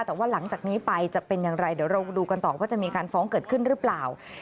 แต่ว่าหลังจากนี้ไปจะเป็นอย่างไรเดี๋ยวเราดูกันต่อว่าจะมีการฟ้องเกิดขึ้นหรือเปล่า